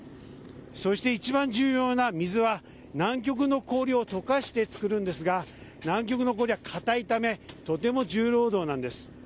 そして一番重要な水は南極の氷を溶かして作るんですが南極の氷はかたいためとても重労働なんです。